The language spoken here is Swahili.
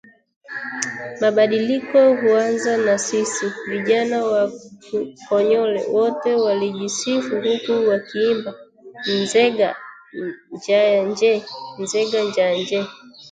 Mabadiliko huanza na sisi, vijana wa konyole wote walijisifu huku wakiimba, Nzenga, Njanje, Nzenga, Njanje